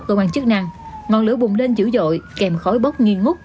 cơ quan chức năng ngọn lửa bùng lên dữ dội kèm khói bốc nghiên ngút